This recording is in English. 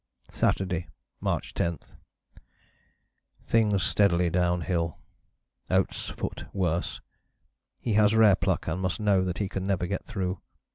"Saturday, March 10. Things steadily downhill. Oates' foot worse. He has rare pluck and must know that he can never get through.